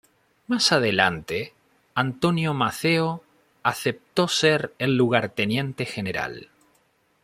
Más adelante, Antonio Maceo acepto ser el Lugarteniente General.